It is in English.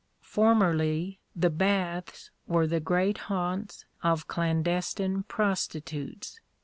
Formerly the baths were the great haunts of clandestine prostitutes.